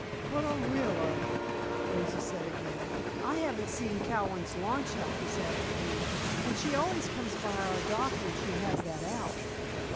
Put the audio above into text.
"But Orilla," Rosa said again. "I haven't seen Cowan's launch out this afternoon. And she always comes by our dock when she has that out."